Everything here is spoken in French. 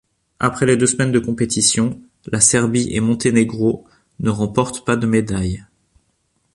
Après les deux semaines de compétitions, la Serbie-et-Monténégro ne remporte pas de médaille.